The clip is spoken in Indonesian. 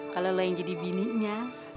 kalau lo yang jadi bininya